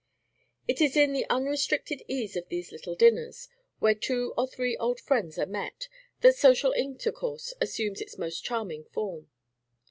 It is in the unrestricted ease of these "little dinners," where two or three old friends are met, that social intercourse assumes its most charming form.